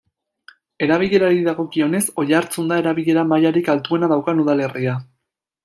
Erabilerari dagokionez, Oiartzun da erabilera mailarik altuena daukan udalerria.